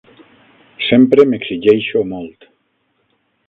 Sempre m'exigeixo molt.